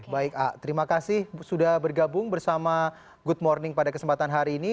baik terima kasih sudah bergabung bersama good morning pada kesempatan hari ini